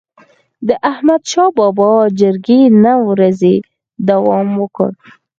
د احمدشاه بابا جرګي نه ورځي دوام وکړ.